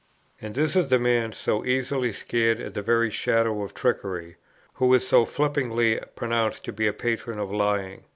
And this is the man, so easily scared at the very shadow of trickery, who is so flippantly pronounced to be a patron of lying.